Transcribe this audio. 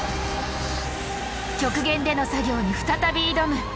極限での作業に再び挑む！